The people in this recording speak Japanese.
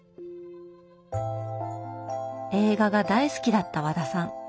映画が大好きだった和田さん。